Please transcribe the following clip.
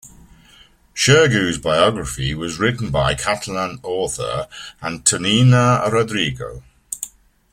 Xirgu's biography was written by Catalan author Antonina Rodrigo.